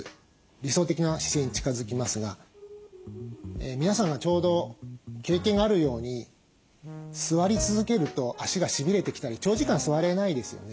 理想的な姿勢に近づきますが皆さんがちょうど経験があるように座り続けると脚がしびれてきたり長時間座れないですよね。